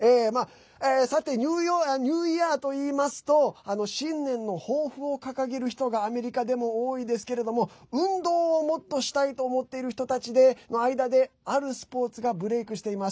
さて、ニューイヤーといいますと新年の抱負を掲げる人がアメリカでも多いですけれども運動をもっとしたいと思っている人たちの間であるスポーツがブレークしています。